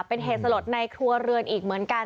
เป็นเหตุสลดในครัวเรือนอีกเหมือนกัน